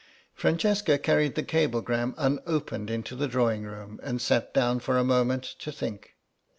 Francesca carried the cablegram unopened into the drawing room and sat down for a moment to think.